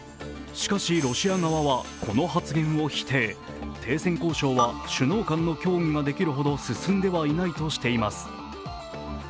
しかしロシア側は、この発言を否定停戦交渉は首脳間の協議ができるほど進んではないとしています。